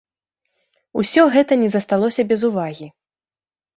Усё гэта не засталося без увагі.